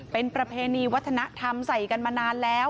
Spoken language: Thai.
เป็นประเพณีวัฒนธรรมใส่กันมานานแล้ว